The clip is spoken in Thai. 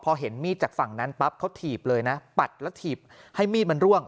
พอเห็นมีดจากฝั่งนั้นปั๊บเขาถีบเลยนะปัดแล้วถีบให้มีดมันร่วง